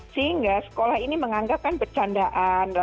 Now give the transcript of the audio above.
sehingga sekolah ini menganggapkan bercandaan